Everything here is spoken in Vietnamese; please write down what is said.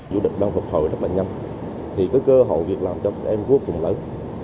du lịch đang phục hồi rất là nhanh thì cái cơ hội việc làm cho các em vô cùng lớn